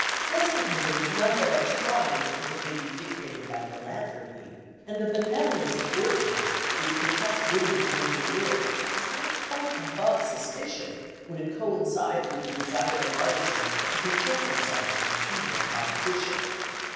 … Despotism is none the less trying because it may be dictated by philanthropy, and the benevolence of workmen which protects women from overwork is not quite above suspicion when it coincides with the desire of artisans to protect themselves from female competition."